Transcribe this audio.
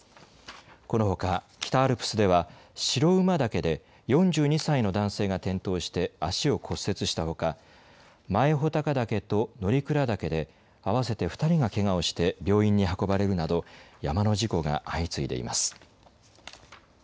このほか北アルプスでは白馬岳で４２歳の男性が転倒して足を骨折したほか前穂高岳と乗鞍岳で合わせて２人がけがをして病院に運ばれるなど山の事故が相次いでいます。